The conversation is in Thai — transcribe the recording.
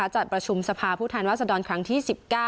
จัดประชุมสภาพูดฐานว่าจะดอนครั้งที่๑๙